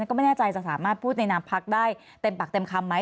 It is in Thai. ก็ไม่แน่ใจจะสามารถพูดในนามพักได้เต็มปากเต็มคำไหม